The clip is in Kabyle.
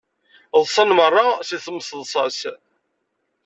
Ḍsan merra seg temseḍsa-s.